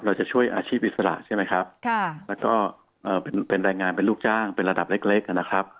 เราจะช่วยอาชีพอิสระใช่ไหมครับแล้วก็เป็นแรงงานเป็นลูกจ้างเป็นระดับเล็กนะครับ